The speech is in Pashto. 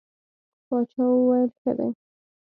باچا وویل ښه دی.